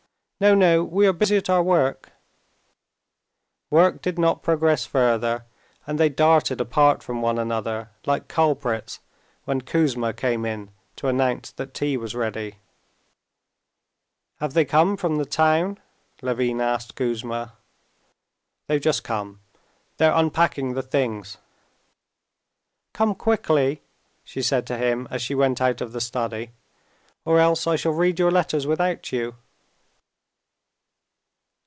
No, no, we are busy at our work!" Work did not progress further, and they darted apart from one another like culprits when Kouzma came in to announce that tea was ready. "Have they come from the town?" Levin asked Kouzma. "They've just come; they're unpacking the things." "Come quickly," she said to him as she went out of the study, "or else I shall read your letters without you."